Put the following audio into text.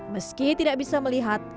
meski tidak bisa melihat